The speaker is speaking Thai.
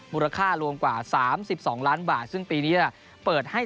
มูลค่ารวมกว่าสามสิบสองล้านบาทซึ่งปีนี้อ่ะเปิดให้